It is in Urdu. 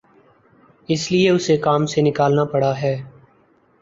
اس لیے اُسے کام سے نکالنا پڑا ہے